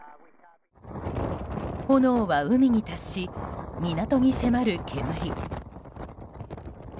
炎は海に達し、港に迫る煙。